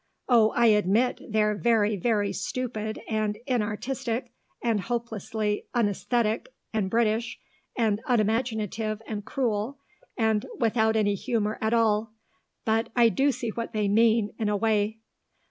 Oh, I admit they're very, very stupid and inartistic, and hopelessly unaesthetic and British and unimaginative and cruel and without any humour at all but I do see what they mean, in a way."